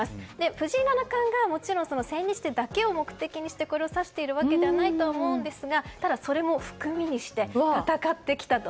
藤井七冠がもちろん千日手だけを目的にしてこれを指しているわけではないと思うんですがただ、それも含みにして戦ってきたと。